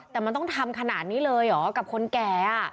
แต่มันต้องทำขนาดนี้เลยเหรอกับคนแก่